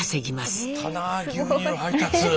あったな牛乳配達。